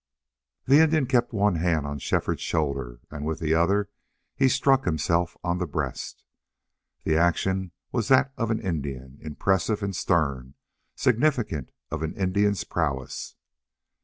The Indian kept one hand on Shefford's shoulder, and with the other he struck himself on the breast. The action was that of an Indian, impressive and stern, significant of an Indian's prowess.